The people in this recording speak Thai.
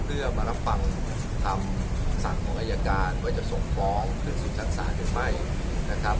เพื่อมารับฟังคำสั่งของอายการว่าจะส่งฟ้องขึ้นสู่ชั้นศาลหรือไม่นะครับ